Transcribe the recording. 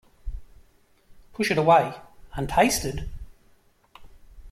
Push it away untasted?